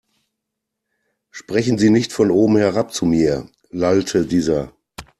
Sprechen Sie nicht von oben herab zu mir, lallte dieser.